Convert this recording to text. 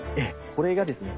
これがですね